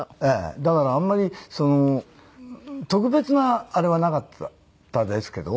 だからあんまり特別なあれはなかったですけど。